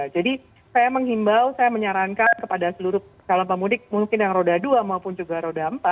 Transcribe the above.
jadi saya menghimbau saya menyarankan kepada seluruh kalau mbak mudik mungkin yang roda dua maupun juga roda empat